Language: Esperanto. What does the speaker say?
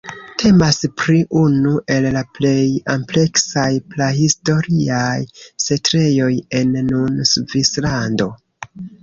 Temas pri unu el la plej ampleksaj prahistoriaj setlejoj en nun Svislando.